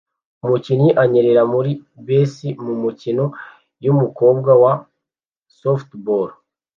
Umukinnyi anyerera muri base mumikino yumukobwa wa softball